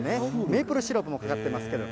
メープルシロップもかかってますけど。